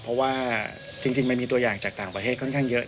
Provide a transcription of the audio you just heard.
เพราะว่าจริงมันมีตัวอย่างจากต่างประเทศค่อนข้างเยอะ